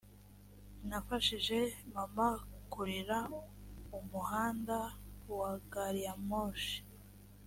nafashije mama kurira umuhanda wa gariyamoshi